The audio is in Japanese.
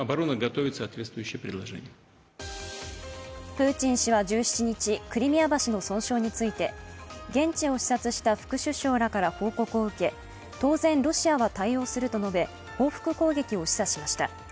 プーチン氏は１７日、クリミア橋の損傷について現地を視察した副首相らから報告を受け当然ロシアは対応すると述べ報復攻撃を示唆しました。